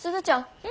うん。